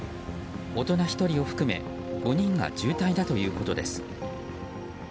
大人１人を含め５人が重体だということです。